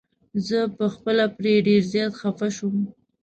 زه په خپله پرې ډير زيات خفه شوم.